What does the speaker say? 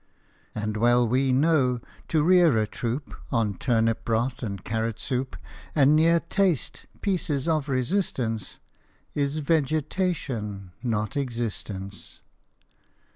And well we know, to rear a troop On turnip broth and carrot soup, And ne'er taste " pieces of resistance," Is vegetation, not existence